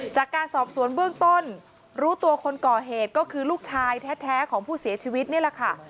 จากการสอบสวนเบื้องต้นรู้ตัวคนก่อเหตุก็คือลูกชายแท้ของผู้เสียชีวิตนี่แหละค่ะ